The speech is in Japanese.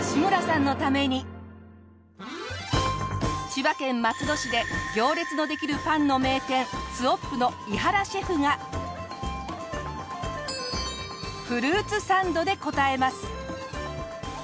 千葉県松戸市で行列のできるパンの名店ＺＯＰＦの伊原シェフがフルーツサンドで応えます。